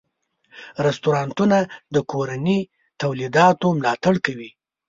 رستورانتونه د کورني تولیداتو ملاتړ کوي.